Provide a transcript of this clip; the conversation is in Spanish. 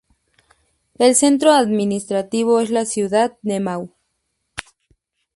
El centro administrativo es la ciudad de Mau.